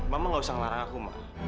mama gak usah ngelarang aku mbak